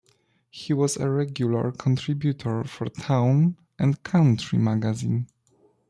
He was a regular contributor for Town and Country Magazine.